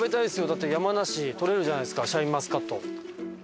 だって山梨採れるじゃないですかシャインマスカット。